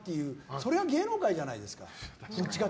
それが芸能界じゃないですか。